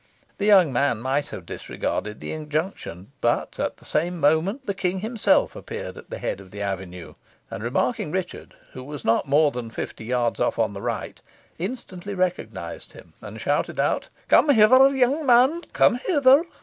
The young man might have disregarded the injunction, but at the same moment the King himself appeared at the head of the avenue, and remarking Richard, who was not more than fifty yards off on the right, instantly recognised him, and shouted out, "Come hither, young man come hither!"